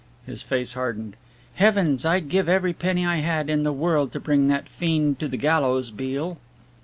His face hardened. "Heavens, I'd give every penny I had in the world to bring that fiend to the gallows, Beale!"